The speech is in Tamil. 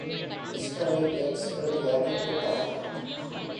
மிஸ்டரி ஜெட்ஸ் எழுதிய அனைத்து தடங்களும்.